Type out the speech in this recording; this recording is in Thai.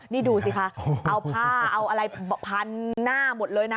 นี่ดูสิคะเอาผ้าเอาอะไรพันหน้าหมดเลยนะ